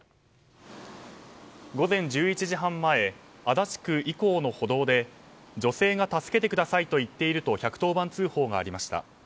午前１１時半前足立区伊興の歩道で女性が助けてくださいと言っていると１１０番通報がありました。